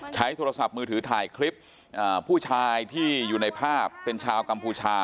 ใช้โทรศัพท์มือถือถ่ายคลิปผู้ชายที่อยู่ในภาพเป็นชาวกัมพูชา